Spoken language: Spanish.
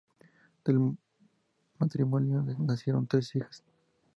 Del matrimonio nacieron tres hijas.